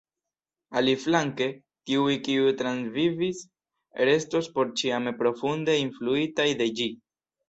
Aliflanke, tiuj kiuj transvivis restos porĉiame profunde influitaj de ĝi.